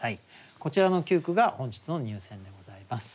こちらの９句が本日の入選でございます。